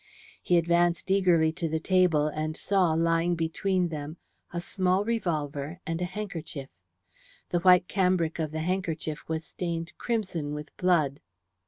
He advanced eagerly to the table and saw, lying between them, a small revolver and a handkerchief. The white cambric of the handkerchief was stained crimson with blood.